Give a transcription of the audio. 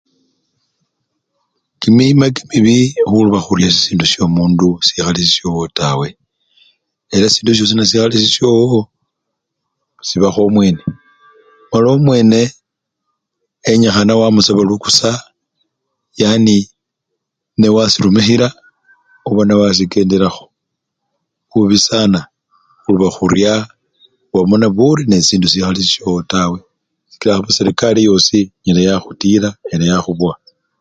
Kimima kimibi khuloba khurya sisindu syomundu sikhali sisyowo tawe, ela sisindu syosi sikhali sisyowo, sibakho omwene mala omwene enyikhana wamusaba lukusa yani newasirumikhila oba newasikendelakho, Bubi sana khuloba khurya! khubamo neburi nesindu sikhali sisyowo tawe sikila akhaba serekari yosi enyala yakhutila enyala yakhubowa.